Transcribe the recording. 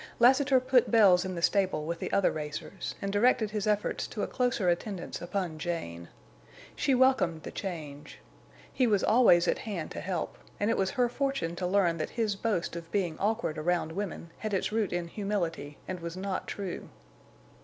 Lassiter put Bells in the stable with the other racers, and directed his efforts to a closer attendance upon Jane. She welcomed the change. He was always at hand to help, and it was her fortune to learn that his boast of being awkward around women had its root in humility and was not true.